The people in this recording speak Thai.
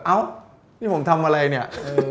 เอ้านี่ผมทำอะไรเนี่ย